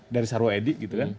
dari sarwo edi gitu kan